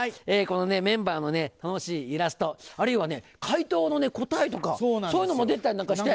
メンバーの楽しいイラストあるいは回答の答えとかそういうのも出てたりなんかして。